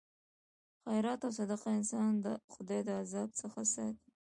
خیرات او صدقه انسان د خدای د عذاب څخه ساتي.